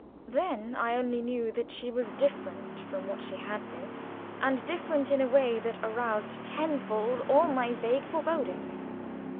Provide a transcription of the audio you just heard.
Then, I only knew that she was different from what she had been, and different in a way that aroused tenfold all my vague forebodings.